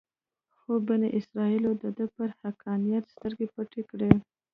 خو بني اسرایلو دده پر حقانیت سترګې پټې کړې.